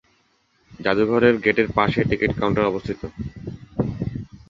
জাদুঘরের গেটের পাশে টিকেট কাউন্টার অবস্থিত।